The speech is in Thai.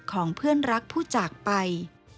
ของเพื่อนรักผู้จากไป